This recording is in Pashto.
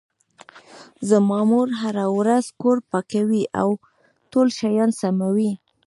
زما مور هره ورځ کور پاکوي او ټول شیان سموي